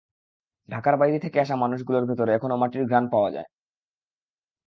ঢাকার বাইরে থেকে আসা মানুষগুলোর ভেতরে এখনো মাটির ঘ্রাণ পাওয়া যায়।